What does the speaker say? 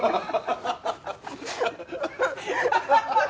ハハハハ！